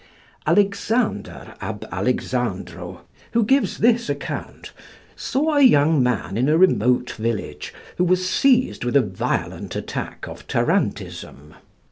Alexander ab Alexandro, who gives this account, saw a young man in a remote village who was seized with a violent attack of tarantism.